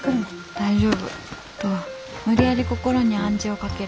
「大丈夫」と無理やり心に暗示をかける。